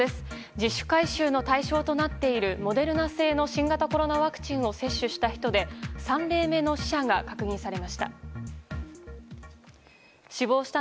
自主回収の対象となっているモデルナ製の新型コロナワクチンを接種した人で３例目の死者が確認されました。